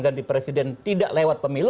ganti presiden tidak lewat pemilu